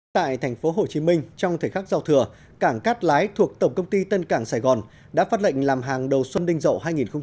tại thành phố hồ chí minh trong thời khắc giao thừa cảng cát lái thuộc tổng công ty tân cảng sài gòn đã phát lệnh làm hàng đầu xuân đinh dậu hai nghìn một mươi bảy